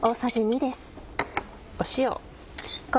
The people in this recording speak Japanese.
塩。